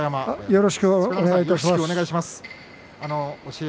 よろしくお願いします。